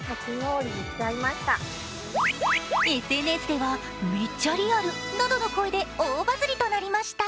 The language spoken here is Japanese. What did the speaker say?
ＳＮＳではめっちゃリアル！などの声で大バズりとなりました。